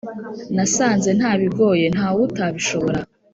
nasanze ntabigoye ntawutabishobora